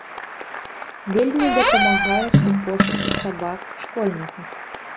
Вельмі дапамагаюць у пошуку сабак школьнікі.